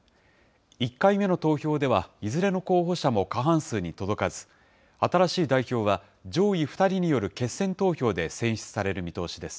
１回目の投票ではいずれの候補者も過半数に届かず、新しい代表は上位２人による決選投票で選出される見通しです。